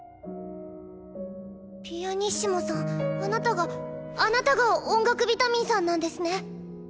ピアニッシモさんあなたがあなたが音楽ビタミンさんなんですね？